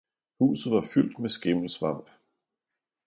Huset var fyldt med skimmelsvamp